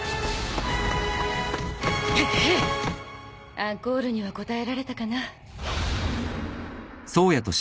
アンコールには応えられたかな。